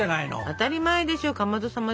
当たり前でしょかまど様ですよ。